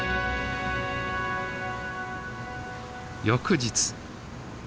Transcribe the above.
翌日。